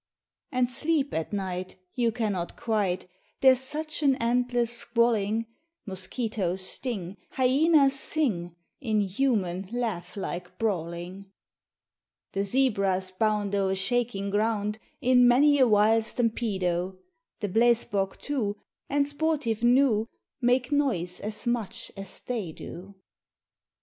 And sleep at night you cannot quite, There's such an endless squalling; Mosquitos sting, hyenas sing In human laugh like brawling. The zebras bound o'er shaking ground In many a wild stampedo; The blesbok, too, and sportive gnu, Make noise as much as they do.